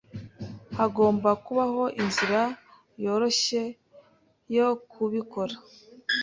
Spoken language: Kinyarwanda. Hagomba kubaho inzira yoroshye yo kubikora.